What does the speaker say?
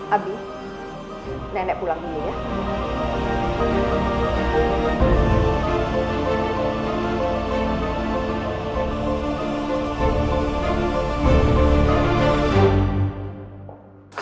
habis nenek pulang dulu ya